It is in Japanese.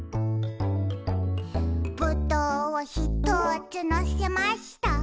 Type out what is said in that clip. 「ぶどうをひとつのせました」